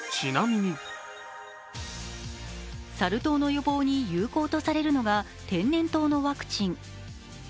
サル痘の予防に有効とされるのが天然痘のワクチン。